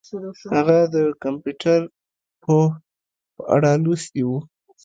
هغه د یو کمپیوټر پوه په اړه لوستي وو